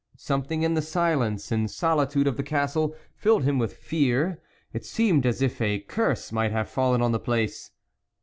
Something in the silence and solitude of the castle filled him with fear ; it seemed as if a curse might have fallen on the place.